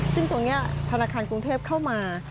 ซึ่งตรงนี้ธนาคารกรุงเทพเข้ามา